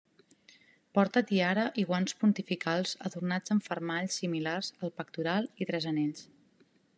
Porta tiara i guants pontificals adornats amb fermalls similars al pectoral i tres anells.